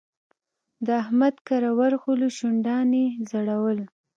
د احمد کره ورغلو؛ شونډان يې ځړول.